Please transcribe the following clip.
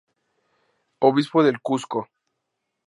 Obispo del Cuzco.